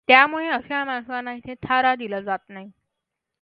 त्यामुळे अशा माणसांना इथे थारा दिला जात नाही.